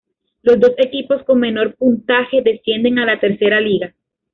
Los dos equipos con menor puntaje descienden a la Tercera Liga.